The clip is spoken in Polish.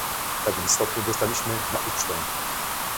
W pewnym stopniu dostaliśmy nauczkę